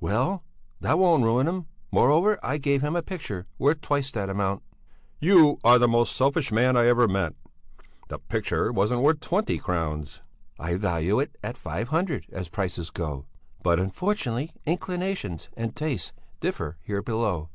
"Well, that won't ruin him. Moreover I gave him a picture worth twice that amount." "You are the most selfish man I ever met! The picture wasn't worth twenty crowns." "I value it at five hundred, as prices go! But unfortunately inclinations and tastes differ here below.